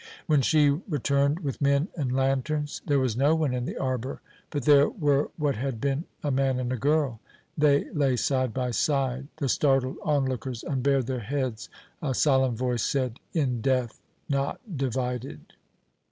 When she returned with men and lanterns there was no one in the arbour, but there were what had been a man and a girl. They lay side by side. The startled onlookers unbared their heads. A solemn voice said, "In death not divided."